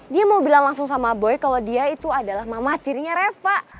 dia mau bilang langsung sama boy kalau dia itu adalah mama tirinya reva